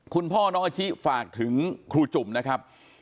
คุณพ่อน้องอาชิฝากถึงครูจุ่มนะครับ